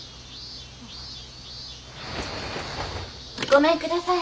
・ごめんください。